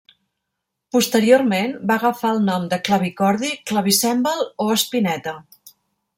Posteriorment va agafar el nom de clavicordi, clavicèmbal o espineta.